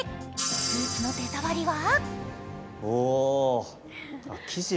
スーツの手触りは？